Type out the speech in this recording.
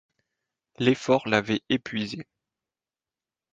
L’effort l’avait épuisé.